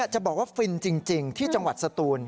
จะบอกว่าฟินจริงที่จังหวัดสตูน